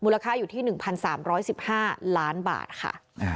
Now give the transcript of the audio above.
ค่าอยู่ที่๑๓๑๕ล้านบาทค่ะ